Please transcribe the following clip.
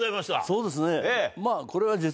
そうですねまぁ。